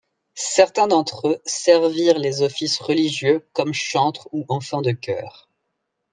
Certains d'entre eux servirent les offices religieux comme chantres ou enfants de cœur.